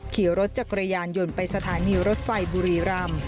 ขี่รถจักรยานยนต์ไปสถานีรถไฟบุรีรำ